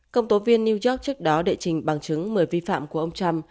công tố viên new york trước đó đệ trình bằng chứng một mươi vi phạm của ông trump